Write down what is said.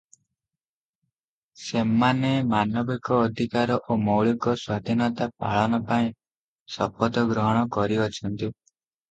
ସେମାନେ ମାନବିକ ଅଧିକାର ଓ ମୌଳିକ ସ୍ୱାଧୀନତା ପାଳନ ପାଇଁ ଶପଥ ଗ୍ରହଣ କରିଅଛନ୍ତି ।